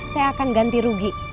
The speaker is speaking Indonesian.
saya akan ganti rugi